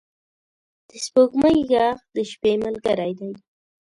د سپوږمۍ ږغ د شپې ملګری دی.